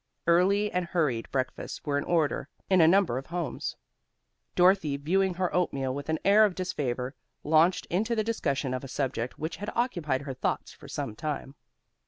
Early and hurried breakfasts were in order in a number of homes. Dorothy viewing her oatmeal with an air of disfavor, launched into the discussion of a subject which had occupied her thoughts for some time.